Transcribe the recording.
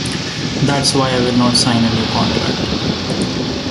That's why I will not sign a new contract.